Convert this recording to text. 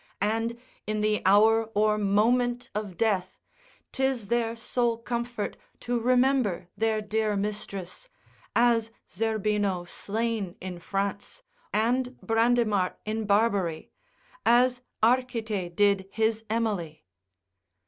and in the hour or moment of death, 'tis their sole comfort to remember their dear mistress, as Zerbino slain in France, and Brandimart in Barbary; as Arcite did his Emily.